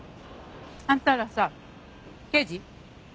あんたらさ刑事？